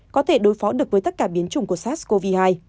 có thể đối phó được với tất cả biến chủng của sars cov hai